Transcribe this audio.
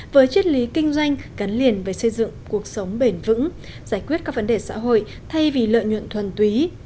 với triết lý kinh doanh gắn liền với xây dựng cuộc sống bền vững giải quyết các vấn đề xã hội thay vì lợi nhuận thuần túy